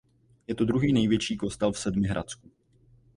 Je to druhý největší kostel v Sedmihradsku.